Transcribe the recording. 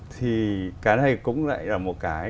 thì cái này cũng lại là một cái